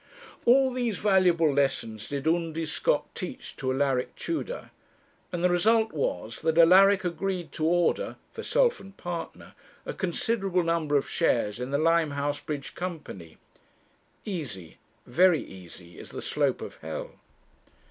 All these valuable lessons did Undy Scott teach to Alaric Tudor, and the result was that Alaric agreed to order for self and partner a considerable number of shares in the Limehouse Bridge Company. Easy, very easy, is the slope of hell.